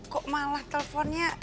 kok malah teleponnya